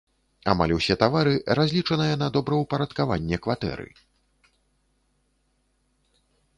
Амаль усе тавары разлічаныя на добраўпарадкаванне кватэры.